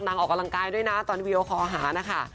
ออกกำลังกายด้วยนะตอนวีดีโอคอลหานะคะ